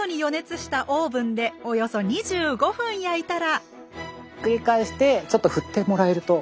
最後はひっくり返してちょっと振ってもらえると。